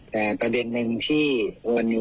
แต่ประเด็นหนึ่งที่วันนี้